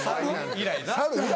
『猿』以来な。